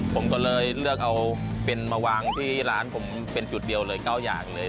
ผมก็เลยเลือกเอาเป็นมาวางที่ร้านผมเป็นจุดเดียวเลย๙อย่างเลย